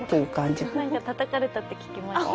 何かたたかれたって聞きました。